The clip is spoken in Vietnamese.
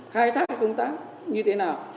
khai thác hay không tác như thế nào